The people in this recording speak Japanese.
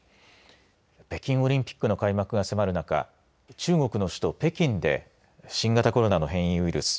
北京オリンピックの開幕が迫る中中国の首都北京で新型コロナの変異ウイル